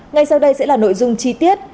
ngay sau đây sẽ là nội dung chi tiết